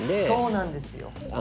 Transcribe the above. そうなんですよ。